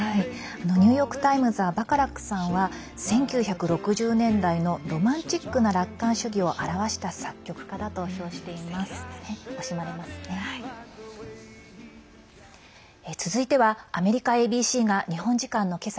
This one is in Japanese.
ニューヨーク・タイムズはバカラックさんは１９６０年代のロマンチックな楽観主義を表したすてきですね。